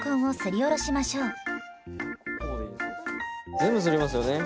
全部すりますよね？